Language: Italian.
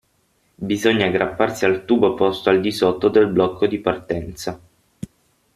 Bisogna aggrapparsi al tubo posto al di sotto del blocco di partenza.